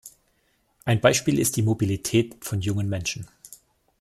Ein Beispiel ist die Mobilität von jungen Menschen.